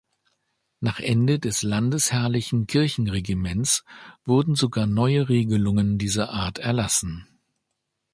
Nach Ende des Landesherrlichen Kirchenregiments wurden sogar neue Regelungen dieser Art erlassen.